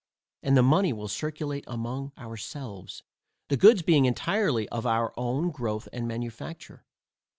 And the money will circulate among our selves, the goods being entirely of our own growth and manufacture.